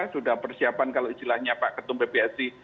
sudah persiapan kalau istilahnya pak ketum pbsi